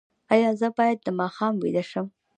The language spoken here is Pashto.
ایا زه باید د ماښام ویده شم؟